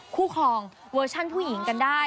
ครองเวอร์ชั่นผู้หญิงกันได้